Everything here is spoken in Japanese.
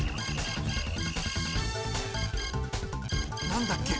何だっけ？